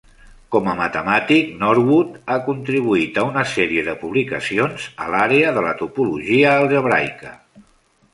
Com a matemàtic, Norwood ha contribuït a una sèrie de publicacions a l"àrea de la topologia algebraica.